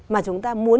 mà chúng ta muốn